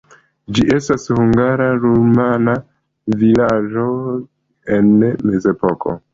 Ĝi estis hungara-rumana vilaĝo en mezepoko.